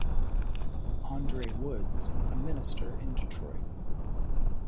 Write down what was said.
Andre Woods, a minister in Detroit.